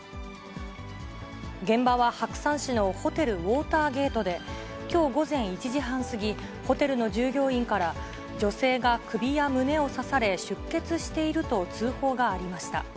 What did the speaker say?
現場は白山市のホテルウォーターゲートで、きょう午前１時半過ぎ、ホテルの従業員から、女性が首や胸を刺され、出血していると通報がありました。